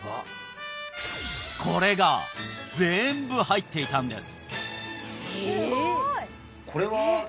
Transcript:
これが全部入っていたんです